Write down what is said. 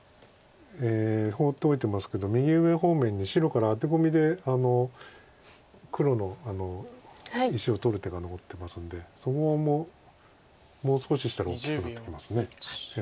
放っておいてますけど右上方面に白からアテコミで黒の石を取る手が残ってますんでそこももう少ししたら大きくなってきます。